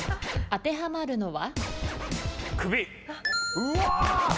当てはまるのは？